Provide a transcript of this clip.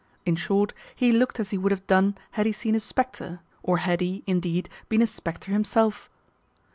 In short, he looked as he would have done had he seen a spectre, or had he, indeed, been a spectre himself.